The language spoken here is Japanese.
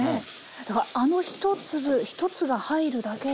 だからあの１粒１つが入るだけで。